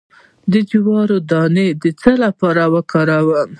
د جوار دانه د څه لپاره وکاروم؟